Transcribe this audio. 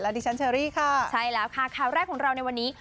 ดิฉันเชอรี่ค่ะใช่แล้วค่ะข่าวแรกของเราในวันนี้